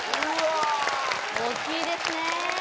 大きいですね